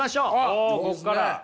おおこっから。